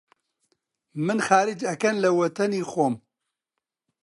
من خارج ئەکەن لە وەتەنی خۆم!؟